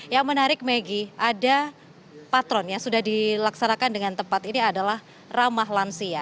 yang menarik megi ada patron yang sudah dilaksanakan dengan tepat ini adalah ramah lansia